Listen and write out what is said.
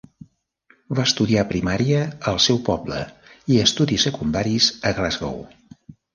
Va estudiar primària al seu poble i estudis secundaris a Glasgow.